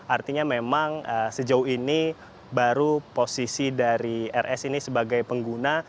artinya memang sejauh ini baru posisi dari rs ini sebagai pengguna